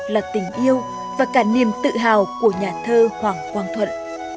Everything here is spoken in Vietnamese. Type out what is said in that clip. là tình yêu và cả niềm tự hào của nhà thơ hoàng quang thuận